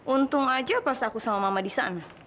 untung aja pas aku sama mama di sana